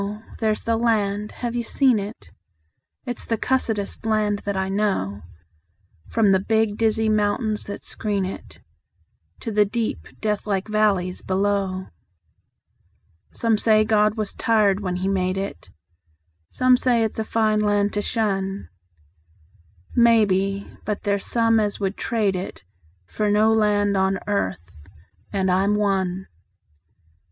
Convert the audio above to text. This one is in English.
There's the land. (Have you seen it?) It's the cussedest land that I know, From the big, dizzy mountains that screen it To the deep, deathlike valleys below. Some say God was tired when He made it; Some say it's a fine land to shun; Maybe; but there's some as would trade it For no land on earth and I'm one.